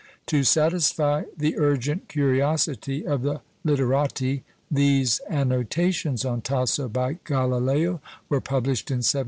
To satisfy the urgent curiosity of the literati, these annotations on Tasso by Galileo were published in 1793.